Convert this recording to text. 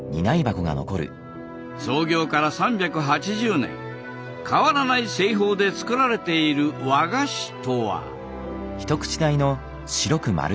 創業から３８０年変わらない製法で作られている和菓子とは？